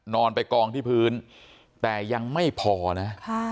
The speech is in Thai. นอนไปกองที่พื้นแต่ยังไม่พอนะ